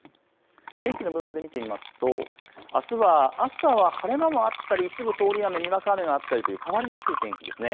天気の分布で見てみますとあすは朝は晴れ間もあったり一部、通り雨、にわか雨があったりと変わりやすい天気です。